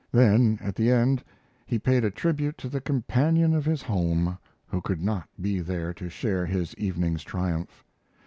Then at the end he paid a tribute to the companion of his home, who could not be there to share his evening's triumph.